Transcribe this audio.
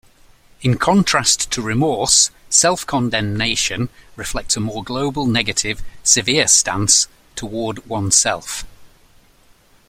In contrast to remorse, self-condemnation reflects a more global, negative, severe stance toward oneself.